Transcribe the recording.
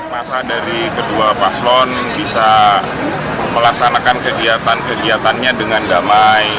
masa dari kedua paslon bisa melaksanakan kegiatan kegiatannya dengan damai